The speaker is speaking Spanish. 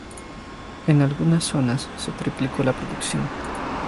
En algunas zonas, se triplicó la producción.